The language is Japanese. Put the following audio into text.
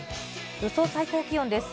予想最高気温です。